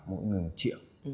mỗi người một triệu